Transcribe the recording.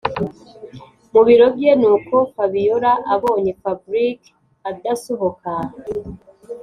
mubiro bye nuko fabiora abonye fabric adasohoka